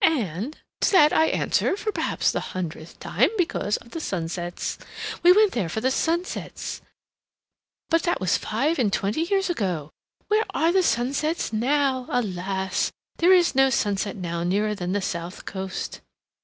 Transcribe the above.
and to that I answer, for perhaps the hundredth time, because of the sunsets. We went there for the sunsets, but that was five and twenty years ago. Where are the sunsets now? Alas! There is no sunset now nearer than the South Coast."